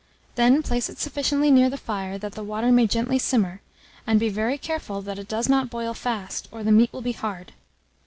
Then place it sufficiently near the fire, that the water may gently simmer, and be very careful that it does not boil fast, or the meat will be hard.